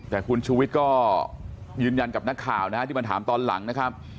แต่คุณชูวิทย์ก็ยืนยันกับนักข่าวนะฮะที่มาถามตอนหลังนะครับ